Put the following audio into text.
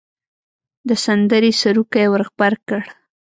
د سندرې سروکی ور غبرګ کړ.